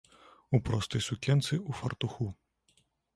У простай сукенцы, у фартуху.